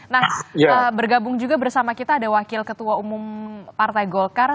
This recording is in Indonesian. nah bergabung juga bersama kita ada wakil ketua umum partai golkar